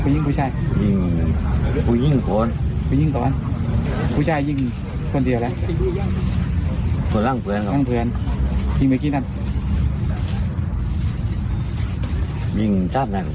มีเสียงเขาไหม